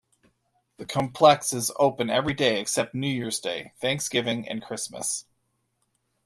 The complex is open every day except New Year's Day, Thanksgiving and Christmas.